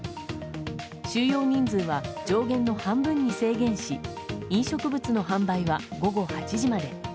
収容人数は上限の半分に制限し飲食物の販売は午後８時まで。